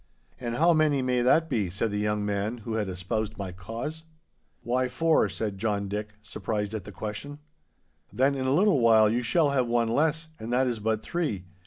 'And how many may that be?' said the young man who had espoused my cause. 'Why, four,' said John Dick, surprised at the question. 'Then in a little while you shall have one less—and that is but three.